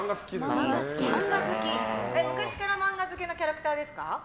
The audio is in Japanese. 昔から漫画好きなキャラクターですか？